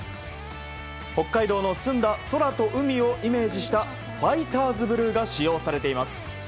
北海道の澄んだ空と海をイメージしたファイターズブルーが使用されています。